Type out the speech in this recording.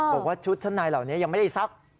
บอกว่าชุดชั้นในเหล่านี้ยังไม่ได้ซัก